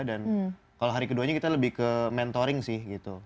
dan kalau hari keduanya kita lebih ke mentoring sih